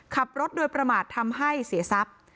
ขับรถโดยประมาททำให้เสียทรัพย์